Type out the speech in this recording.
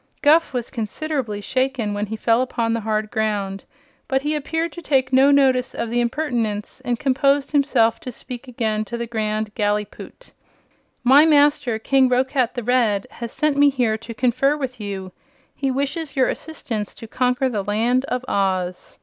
Guph was considerably shaken when he fell upon the hard ground, but he appeared to take no notice of the impertinence and composed himself to speak again to the Grand Gallipoot. "My master, King Roquat the Red, has sent me here to confer with you. He wishes your assistance to conquer the Land of Oz."